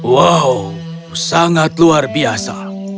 wow sangat luar biasa